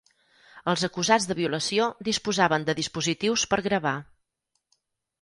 Els acusats de violació disposaven de dispositius per gravar